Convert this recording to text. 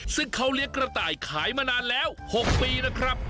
ซึ่งเขาเลี้ยงกระต่ายขายมานานแล้ว๖ปีนะครับ